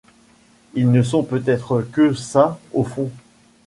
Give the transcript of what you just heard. Ils ne sont peut-être que ça au fond.